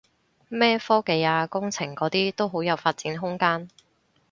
咩科技啊工程嗰啲都好有發展空間